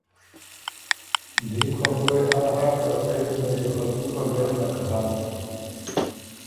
دیم خبُره يې آ هۀ که پېری م دل يې خه دُوکه ګۀ نک هۀ